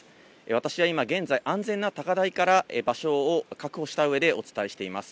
私は今、現在、安全な高台から場所を確保したうえで、お伝えしています。